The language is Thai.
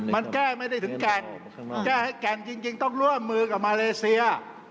มันแก้ไม่ได้ถึงแก่งแก้ให้แก่งจริงต้องร่วมมือกับมาเลเซีย